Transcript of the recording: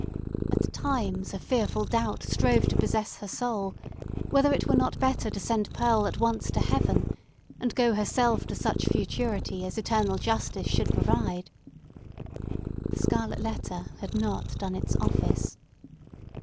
At times a fearful doubt strove to possess her soul, whether it were not better to send Pearl at once to Heaven, and go herself to such futurity as Eternal Justice should provide. The scarlet letter had not done its office.